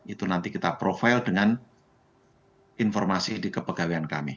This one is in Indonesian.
itu nanti kita profile dengan informasi di kepegawaian kami